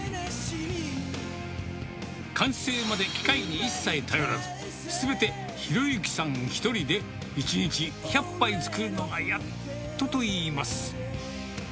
完成まで機械に一切頼らず、すべて啓之さん１人で１日１００杯作るのがやっとといいます。